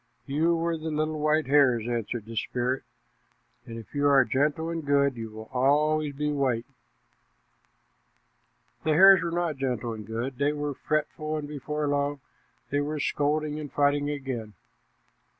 "You were the little white hares," answered the spirit, "and if you are gentle and good, you will always be white." The hares were not gentle and good; they were fretful, and before long they were scolding and fighting again.